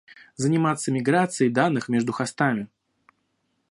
Заниматься миграцией данных между хостами